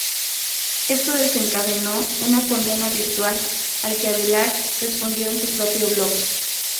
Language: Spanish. Esto desencadenó una condena virtual al que Avelar respondió en su propio blog.